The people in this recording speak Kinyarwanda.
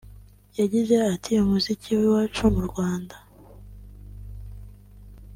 yagize ati “Umuziki w’iwacu mu Rwanda